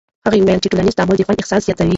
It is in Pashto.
هغه وویل چې ټولنیز تعامل د خوند احساس زیاتوي.